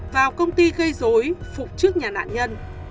vào công ty gây dối phục trước nhà nạn nhân